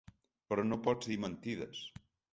Però no pots dir mentides.